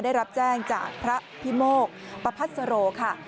ได้รับแจ้งจากพระพิโมกประพัสโรค่ะ